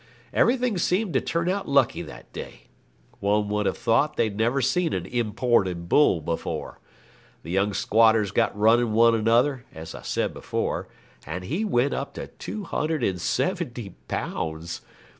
Everything seemed to turn out lucky that day. One would have thought they'd never seen an imported bull before. The young squatters got running one another, as I said before, and he went up to 270 Pounds!